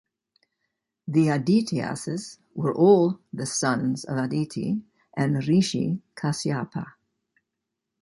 The Adityas's were all the sons of Aditi and Rishi Kashyapa.